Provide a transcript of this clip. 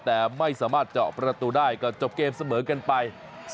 แต่ไม่สามารถเจาะประตูได้ก็จบเกมเสมอกันไป